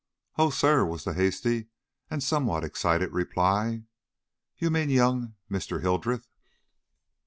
"Oh, sir," was the hasty and somewhat excited reply, "you mean young Mr. Hildreth!"